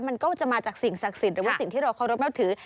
มันก็จะมาจากสิ่งศักดิ์สิทธิ์หรือว่าสิ่งที่เราเคารพนับถือ